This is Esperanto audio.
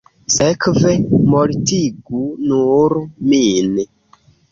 Sekve, mortigu nur min.